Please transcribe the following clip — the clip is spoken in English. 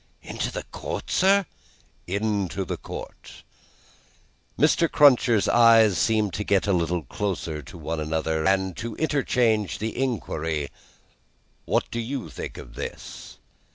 "Into the court, sir?" "Into the court." Mr. Cruncher's eyes seemed to get a little closer to one another, and to interchange the inquiry, "What do you think of this?"